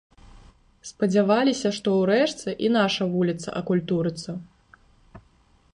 Спадзяваліся, што ўрэшце і наша вуліца акультурыцца.